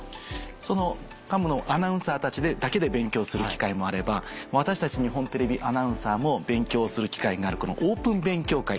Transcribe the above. その幹部のアナウンサーたちだけで勉強する機会もあれば私たち日本テレビアナウンサーも勉強する機会があるオープン勉強会